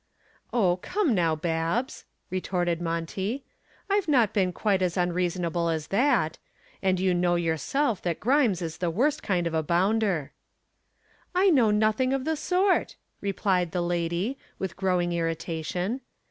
"O, come now, Babs," retorted Monty, "I've not been quite as unreasonable as that. And you know yourself that Grimes is the worst kind of a bounder." "I know nothing of the sort," replied the lady, with growing irritation.